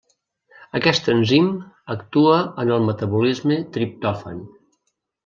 Aquest enzim actua en el metabolisme triptòfan.